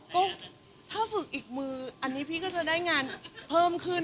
ก็ถ้าฝึกอีกมืออันนี้พี่ก็จะได้งานเพิ่มขึ้น